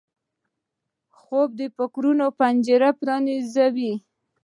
خوب د فکرونو پنجره پرانیزي